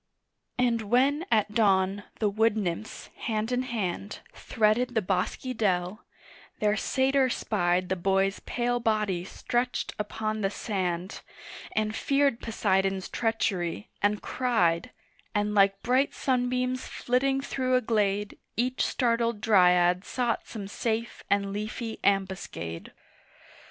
And when at dawn the wood nymphs, hand in hand, Threaded the bosky dell, their satyr spied The boy's pale body stretched upon the sand, And feared Poseidon's treachery, and cried, And like bright sunbeams flitting through a glade Each startled Dryad sought some safe and leafy ambuscade.